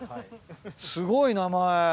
すごい名前。